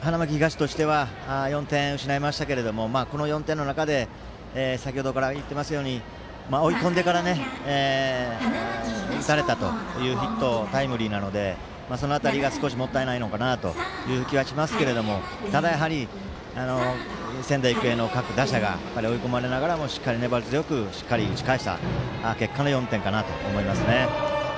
花巻東としては４点失いましたけどこの４点の中で先ほどから言ってますように追い込んでから打たれたというタイムリーヒットなのでその辺りが少しもったいないのかなという気はしますけどただ、仙台育英の各打者が追い込まれながらもしっかり粘り強くしっかり打ち返した結果の４点かなと思いますね。